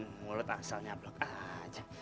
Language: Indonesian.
mulut asalnya blok aja